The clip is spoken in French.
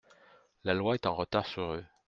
La loi est en retard sur eux.